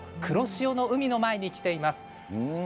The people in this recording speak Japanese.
黒潮の海の前に来ております。